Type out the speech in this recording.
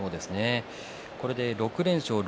これで６連勝です。